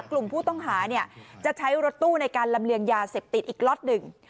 กลุ่มผู้ต้องหาจะใช้รถตู้ในการลำเลียงยาเสพติดอีกล็อตหนึ่ง